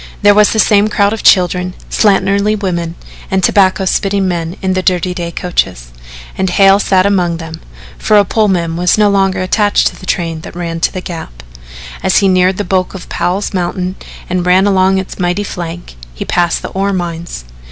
There was the same crowd of children, slatternly women and tobacco spitting men in the dirty day coaches, and Hale sat among them for a Pullman was no longer attached to the train that ran to the Gap. As he neared the bulk of Powell's mountain and ran along its mighty flank, he passed the ore mines.